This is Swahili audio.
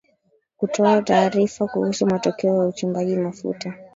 kutoa tarifa kuhusu matokeo ya uchimbaji mafuta